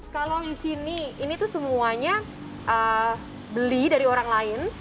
kalau di sini ini tuh semuanya beli dari orang lain